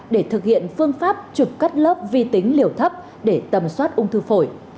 để thực hiện phương pháp chụp cắt lớp vi tính liều thấp để tầm soát ung thư phổi